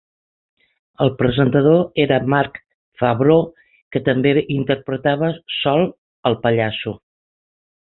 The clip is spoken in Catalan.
El presentador era Marc Favreau, que també interpretava Sol el pallasso.